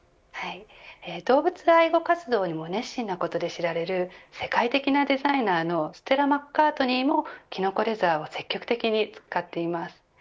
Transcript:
動物愛護活動にも熱心なことで知られる世界的なデザイナーのステラ・マッカートニーもキノコレザーを積極的に使っています。